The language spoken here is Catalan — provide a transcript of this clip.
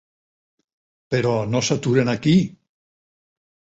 Però no s'aturen aquí.